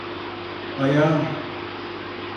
Ayağım!